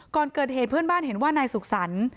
ก่อนเกิดเหตุเพื่อนบ้านเห็นว่านายสุขสรรค์